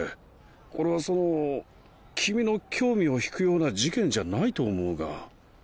これはその君の興味を引くような事件じゃないと思うが。